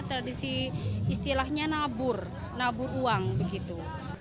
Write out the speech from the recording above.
tradisi istilahnya nabur nabur uang begitu